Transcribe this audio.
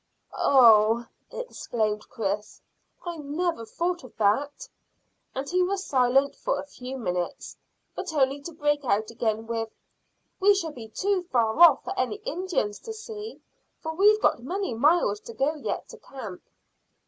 "Oh!" exclaimed Chris. "I never thought of that," and he was silent for a few minutes, but only to break out again with, "We shall be too far off for any Indians to see, for we've got many miles to go yet to camp."